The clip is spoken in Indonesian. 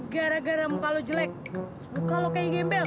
gara gara muka lo jelek muka lo kayak gembel